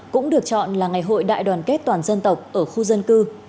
cũng được chọn là ngày hội đại đoàn kết toàn dân tộc ở khu dân cư